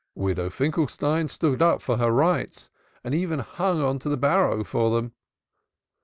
Widow Finkelstein stood up for her rights, and even hung on to the barrow for them.